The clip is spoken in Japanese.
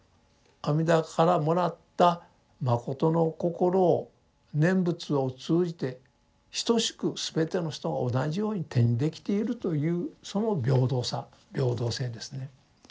阿弥陀からもらった信心を念仏を通じて等しく全ての人が同じように手にできているというその平等さ平等性ですね。